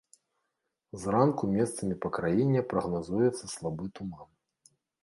Зранку месцамі па краіне прагназуецца слабы туман.